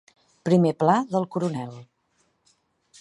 Primer pla del CORONEL.